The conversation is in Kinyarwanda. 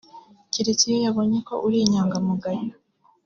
keretse iyo yabonye ko uri inyangamugayo